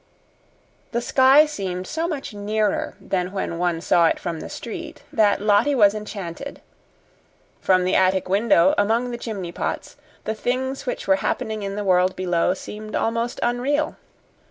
The sky seemed so much nearer than when one saw it from the street, that Lottie was enchanted. From the attic window, among the chimney pots, the things which were happening in the world below seemed almost unreal.